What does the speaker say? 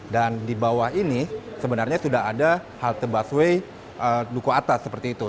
dan di bawah ini sebenarnya sudah ada halte busway duku atas seperti itu